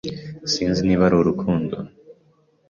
Sinzi niba ari urukundo.